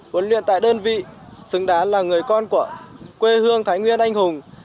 huấn luyện tại đơn vị xứng đáng là người con của quê hương thái nguyên anh hùng